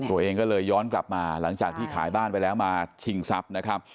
ตัวเองก็เลยย้อนกลับมาหลังจากที่ขายบ้านไปแล้วมาชิงทรัพย์นะครับ